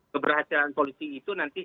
keberhasilan polisi itu nanti